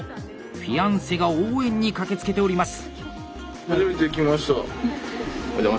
フィアンセが応援に駆けつけております！